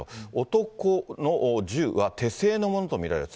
男の銃は、手製のものと見られると。